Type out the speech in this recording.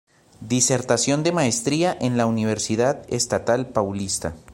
Disertación de maestría en la Universidad Estatal Paulista.